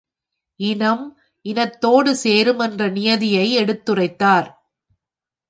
இனம் இனத்தோடு சேரும் என்ற நியதியை எடுத்துரைத்தார்.